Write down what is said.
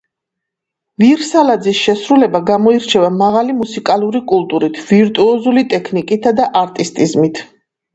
ვირსალაძის შესრულება გამოირჩევა მაღალი მუსიკალური კულტურით, ვირტუოზული ტექნიკითა და არტისტიზმით.